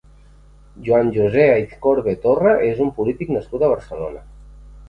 Juan José Aizcorbe Torra és un polític nascut a Barcelona.